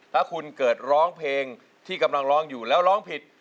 ถ้าคุณเกิดร้องเพลงที่กำลังร้องอยู่แล้วร้องผิด